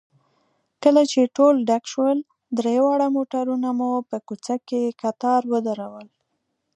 کله چې ټول ډک شول، درې واړه موټرونه مو په کوڅه کې کتار ودرول.